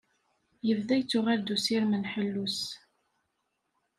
Yebda yettuɣal-d usirem n ḥellu-s.